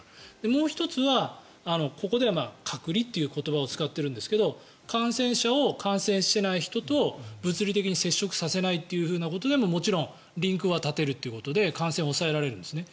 もう１つはここでは隔離という言葉を使っているんですが感染者を感染してない人と物理的に接触させないということでももちろんリンクは断てるということで感染は抑えられるんですね。